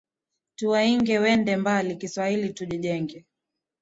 Tuwainge wende mbali, kiswahili tujijenge,